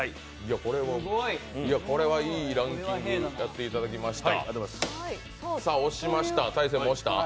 これはいいランキングやっていただきました。